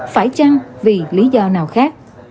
phải chăng vì lý do nào khác